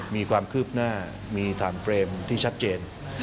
มีความคืบหน้ามีถามเฟรมที่ชัดเจน